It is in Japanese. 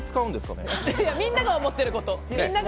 それ、みんなが思ってることよ。